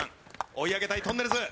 追い上げたいとんねるず。